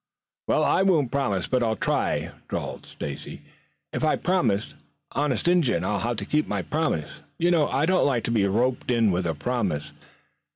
"Well, I won't promise, but I'll try," drawled Stacy. "If I promised, honest Injun, I'd have to keep my promise. You know I don't like to be roped with a promise.